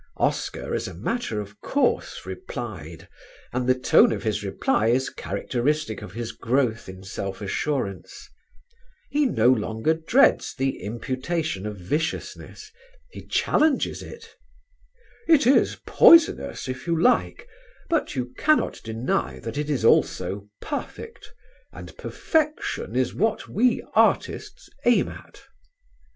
Oscar as a matter of course replied and the tone of his reply is characteristic of his growth in self assurance: he no longer dreads the imputation of viciousness; he challenges it: "It is poisonous, if you like; but you cannot deny that it is also perfect, and perfection is what we artists aim at."